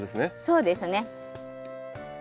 そうですね。